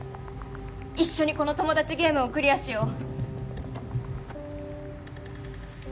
一緒にこのトモダチゲームをクリアしよう。